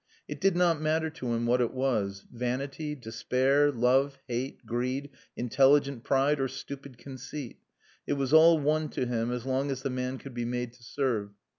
It did not matter to him what it was vanity, despair, love, hate, greed, intelligent pride or stupid conceit, it was all one to him as long as the man could be made to serve.